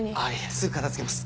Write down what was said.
すぐ片付けます。